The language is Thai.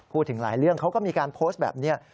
พูดถึงหลายเรื่องเขาก็มีการโพสต์แบบนี้